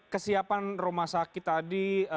tempat rumah sakit tadi